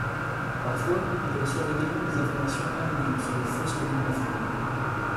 Parfois, ils reçoivent également des informations anonymes sur les fosses communes à fouiller.